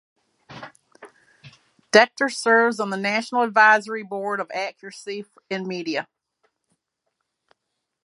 Decter serves on the national advisory board of Accuracy in Media.